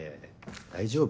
大丈夫？